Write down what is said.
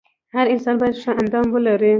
هر انسان باید ښه اندام ولري .